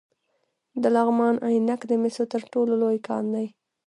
د لغمان عينک د مسو تر ټولو لوی کان دی